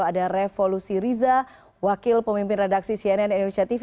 ada revo lusiriza wakil pemimpin redaksi cnn indonesia tv